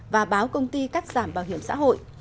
và báo công ty cắt giảm bảo hiểm xã hội